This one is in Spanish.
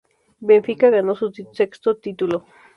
Benfica ganó su sexto título.